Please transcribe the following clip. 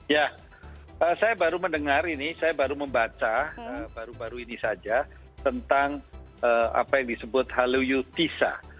ya saya baru mendengar ini saya baru membaca baru baru ini saja tentang apa yang disebut halloutisa